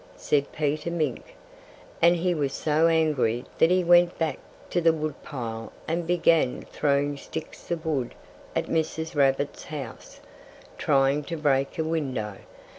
said Peter Mink. And he was so angry that he went back to the wood pile and began throwing sticks of wood at Mrs. Rabbit's house, trying to break a window.